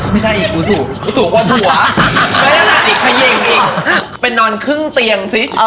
ไปนอนครึ่งเตียงซิ